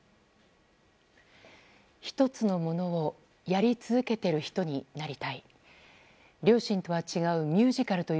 １つのものをやり続けている人になりたい。